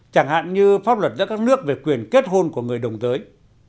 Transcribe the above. chẳng hạn như pháp luật giữa các nước về quyền kết hôn của người đồng giới